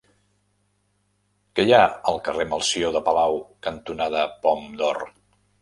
Què hi ha al carrer Melcior de Palau cantonada Pom d'Or?